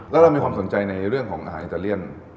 แล้วเรามีความสนใจในเรื่องของอาหารอิตาเลียน